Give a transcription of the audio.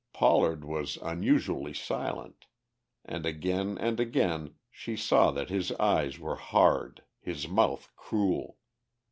Pollard was unusually silent, and again and again she saw that his eyes were hard, his mouth cruel.